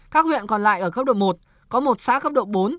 các huyện còn lại ở cấp độ một có một xã cấp độ bốn